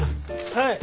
はい。